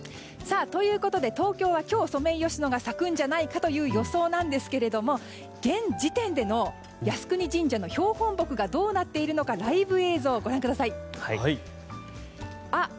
ということで東京は今日ソメイヨシノが咲くという予想なんですけれども現時点での靖国神社の標本木がどうなっているのかライブ映像をご覧ください。